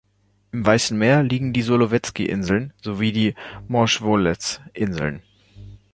Im Weißen Meer liegen die Solowezki-Inseln sowie die Morschowez-Insel.